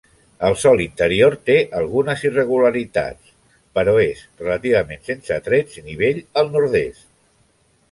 El sòl interior té algunes irregularitats, però és relativament sense trets i nivell al nord-est.